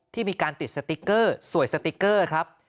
ที่มีการติดสติ๊กเกอร์สวยสติ๊กเกอร์ครับ